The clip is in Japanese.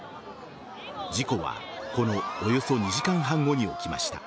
事故は、このおよそ２時間半後に起きました。